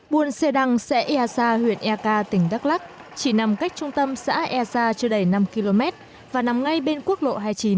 buôn xe đằng xe esa huyện ek tỉnh đắk lắc chỉ nằm cách trung tâm xã esa chưa đầy năm km và nằm ngay bên quốc lộ hai mươi chín